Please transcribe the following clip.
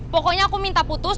pokoknya aku minta putus